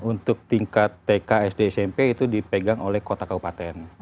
untuk tingkat tk sd smp itu dipegang oleh kota kabupaten